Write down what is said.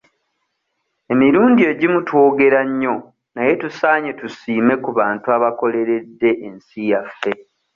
Emirundi egimu twogera nnyo naye tusaanye tusiime ku bantu abakoleredde ensi yaffe.